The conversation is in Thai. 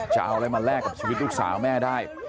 จะเอาอะไรมาแลกกับชีวิตลูกสาวแม่ได้